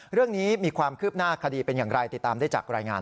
เรื่องนี้มีความคืบหน้าคดีเป็นอย่างไรติดตามได้จากรายงาน